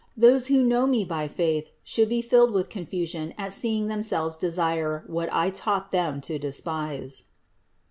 Those who know Me by faith should be filled with confusion at seeing themselves desire what I taught them to despise."